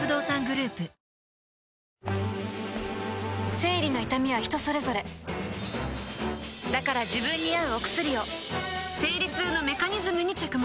生理の痛みは人それぞれだから自分に合うお薬を生理痛のメカニズムに着目